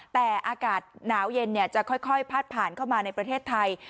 แต่อากาศหนาวเย็นจะค่อยพาดผ่านเข้ามาในประเทศไทย